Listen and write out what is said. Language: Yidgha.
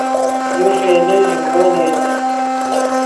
یو ݰئیلے ژینگو لیشچ